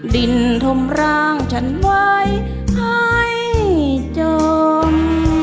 ดินทมร่างฉันไว้ให้จม